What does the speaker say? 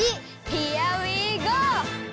ヒアウィーゴー！